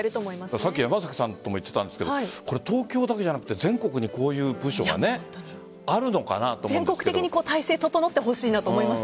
さっき山崎さんとも言っていましたが東京だけじゃなくて全国にこういう部署が全国的に体制、整ってほしいなと思います。